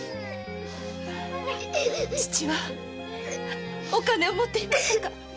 父はお金を持っていましたか？